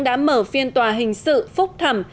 đã mở phiên tòa hình sự phúc thẩm